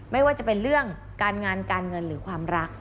ไม่ว่าจะเป็นเรื่องการงานการเงินหรือความรัก